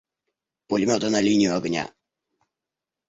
Пулеметы на линию огня!..